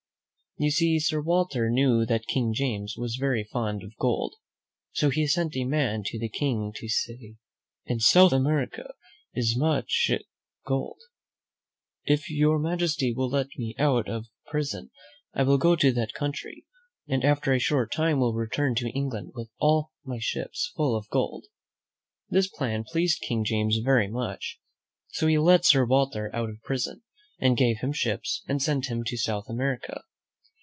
You see, Sir Walter knew that King James was very fond of gold; so he sent a man to the King to say, "In South America is much gold. If your majesty will let me out of prison, I will go to that country, and after a short time will return to England with my ships full of gold." This plan pleased King James very much, so he let Sir Walter out of prison, and gave him ships, and sent him to South America.